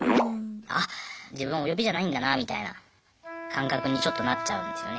あっ自分はお呼びじゃないんだなみたいな感覚にちょっとなっちゃうんですよね。